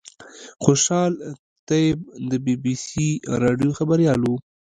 خوشحال طیب د بي بي سي راډیو خبریال و.